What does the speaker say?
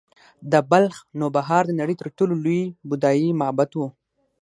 د بلخ نوبهار د نړۍ تر ټولو لوی بودايي معبد و